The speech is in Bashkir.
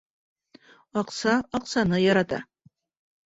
Аҡса аҡсаны ярата.